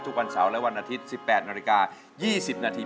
ทุกวันเสาร์และวันอาทิตย์๑๘นาฬิกา๒๐นาที